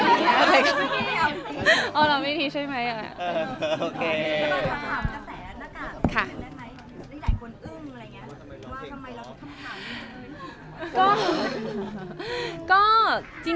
นี่เราจะถามกับแสนนากาศเป็นแบบไหนมีหลายคนอึ้งอะไรอย่างนี้ว่าทำไมเราต้องทำผ่านเหมือนกัน